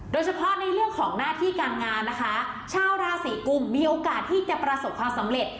โดยเฉพาะในเรื่องของหน้าที่การงานนะคะชาวราศีกุมมีโอกาสที่จะประสบความสำเร็จ